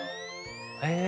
へえ。